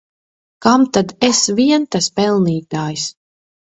Kam tad es vien tas pelnītājs!